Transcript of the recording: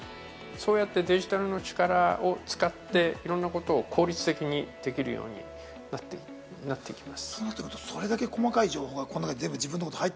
そうやってデジタルの力を使って、いろんなことを効率的にできるようになっていきます。